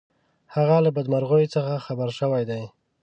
هغه له بدمرغیو څخه خبر شوی دی.